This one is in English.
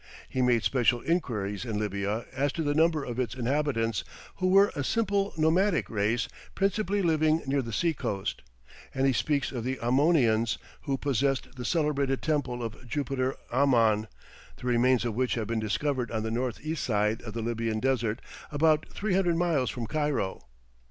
He made special inquiries in Lybia as to the number of its inhabitants, who were a simple nomadic race principally living near the sea coast, and he speaks of the Ammonians, who possessed the celebrated temple of Jupiter Ammon, the remains of which have been discovered on the north east side of the Lybian desert, about 300 miles from Cairo.